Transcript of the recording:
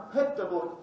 về nợ đó